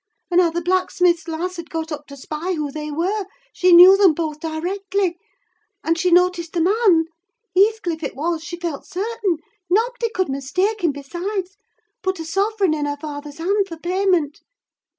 and how the blacksmith's lass had got up to spy who they were: she knew them both directly. And she noticed the man—Heathcliff it was, she felt certain: nob'dy could mistake him, besides—put a sovereign in her father's hand for payment.